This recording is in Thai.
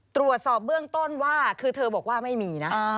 ตรวจสอบเบื้องต้นว่าคือเธอบอกว่าไม่มีนะ